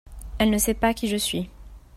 elle ne sait pas qui je suis.